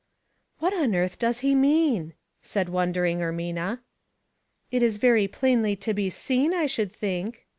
*' What on earth does he mean ?" said won deriuGf Ermina. " It is very plainly to be seen, I should think."